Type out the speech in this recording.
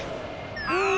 ああ！